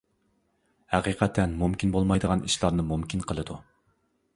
ھەقىقەت مۇمكىن بولمايدىغان ئىشلارنى مۇمكىن قىلىدۇ!